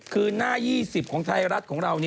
คือหน้า๒๐ของไทยรัฐของเรา